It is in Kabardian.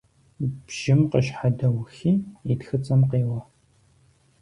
Бжьым къыщхьэдэухи, и тхыцӀэм къеуэ.